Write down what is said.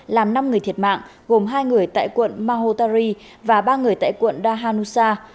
làm năm người thiệt mạng gồm hai người tại quận mahotari và ba người tại quận dahanusa